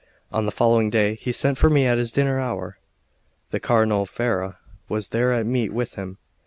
On the following day he sent for me at his dinner hour. The Cardinal of Ferrara was there at meat with him.